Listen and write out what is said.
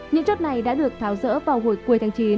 những chốt này đã được tháo rỡ vào hồi cuối tháng chín